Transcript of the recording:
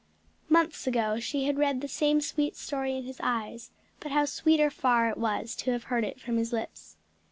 Months ago she had read the same sweet story in his eyes, but how sweeter far it was to have heard it from his lips.